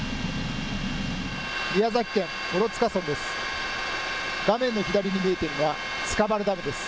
宮崎県諸塚村です。